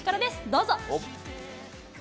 どうぞ。